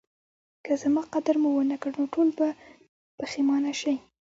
که زما قدر مو ونکړ نو ټول به پخیمانه شئ